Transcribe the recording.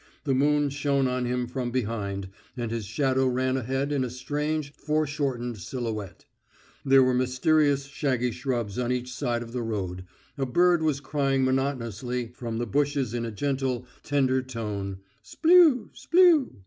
The moon shone on him from behind, and his shadow ran ahead in a strange foreshortened silhouette. There were mysterious shaggy shrubs on each side of the road, a bird was crying monotonously from the bushes in a gentle, tender tone "_Splew! Splew!